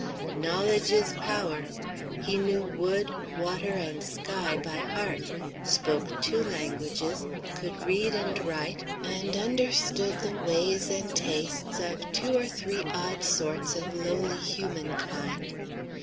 "Knowledge is power;" he knew wood, water, and sky by heart, spoke two languages, could read and write, and understood the ways and tastes of two or three odd sorts of lowly human kind.